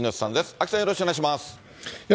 アキさん、よろしくお願いします。